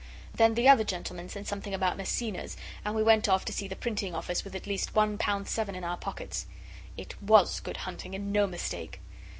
Then the other gentleman said something about Maecenas, and we went off to see the printing office with at least one pound seven in our pockets. It was good hunting, and no mistake!